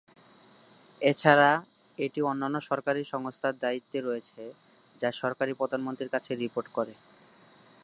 এছাড়াও, এটি অন্যান্য সরকারী সংস্থার দায়িত্বে রয়েছে, যা সরাসরি প্রধানমন্ত্রীর কাছে রিপোর্ট করে।